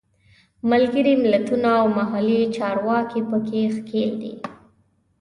ملګري ملتونه او محلي چارواکي په کې ښکېل دي.